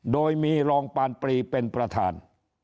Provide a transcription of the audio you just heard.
โดยมีรองปานปรีเป็นประธาน